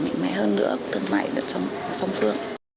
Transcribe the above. mạnh mẽ hơn nữa thương mại được xong phương